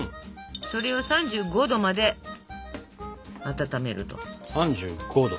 それを３５℃まで温めると。